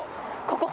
ここ。